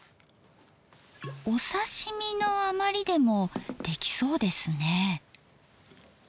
お刺身の余りでもできそうですね。